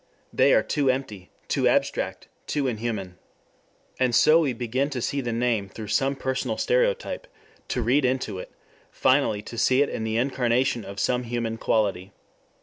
They are too empty, too abstract, too inhuman. And so we begin to see the name through some personal stereotype, to read into it, finally to see in it the incarnation of some human quality.